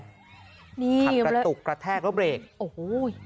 ขับกระตุกกระแทกแล้วเบรกโอ้โห